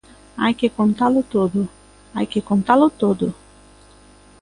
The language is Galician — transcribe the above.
¡Hai que contalo todo, hai que contalo todo!